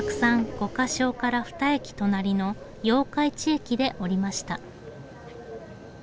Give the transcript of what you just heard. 五箇荘からふた駅隣の八日市駅で降りました。